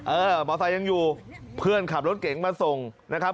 มอไซค์ยังอยู่เพื่อนขับรถเก๋งมาส่งนะครับ